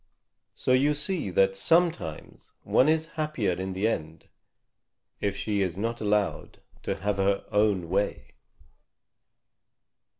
So you see that sometimes one is happier in the end if she is not allowed to have her own way.